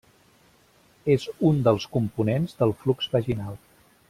És un dels components del flux vaginal.